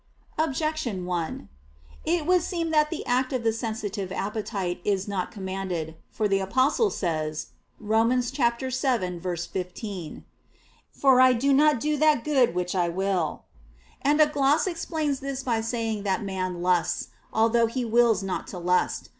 Objection 1: It would seem that the act of the sensitive appetite is not commanded. For the Apostle says (Rom. 7:15): "For I do not that good which I will": and a gloss explains this by saying that man lusts, although he wills not to lust.